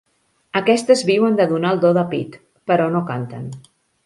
Aquestes viuen de donar el do de pit, però no canten.